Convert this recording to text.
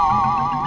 asyik dari ya